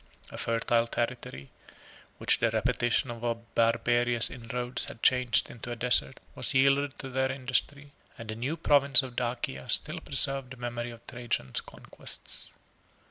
A fertile territory, which the repetition of barbarous inroads had changed into a desert, was yielded to their industry, and a new province of Dacia still preserved the memory of Trajan's conquests.